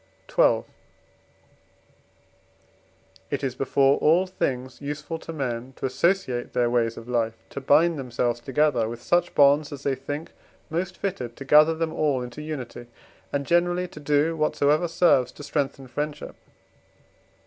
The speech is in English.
XII. It is before all things useful to men to associate their ways of life, to bind themselves together with such bonds as they think most fitted to gather them all into unity, and generally to do whatsoever serves to strengthen friendship.